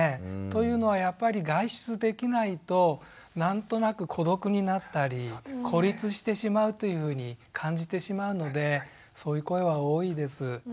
というのはやっぱり外出できないと何となく孤独になったり孤立してしまうというふうに感じてしまうのでそういう声は多いです。